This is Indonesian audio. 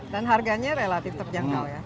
dan harganya relatif terjangkau ya